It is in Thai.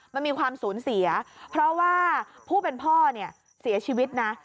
มันมีความสูญเสียเพราะว่าผู้เป็นพ่อเนี่ยเสียชีวิตนะ